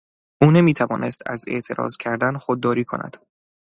او نمیتوانست از اعتراض کردن خودداری کند.